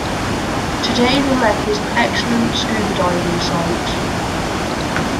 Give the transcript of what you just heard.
Today the wreck is an excellent scuba diving site.